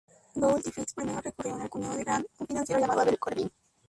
Gould y Fisk primero recurrieron al cuñado de Grant, un financiero llamado Abel Corbin.